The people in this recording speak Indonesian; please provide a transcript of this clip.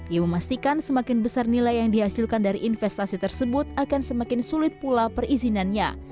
ia memastikan semakin besar nilai yang dihasilkan dari investasi tersebut akan semakin sulit pula perizinannya